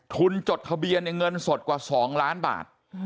จดทะเบียนในเงินสดกว่า๒ล้านบาท